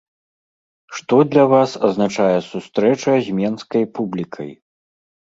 Што для вас азначае сустрэча з менскай публікай?